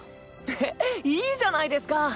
えいいじゃないですか。